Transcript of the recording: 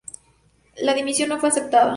La dimisión no fue aceptada.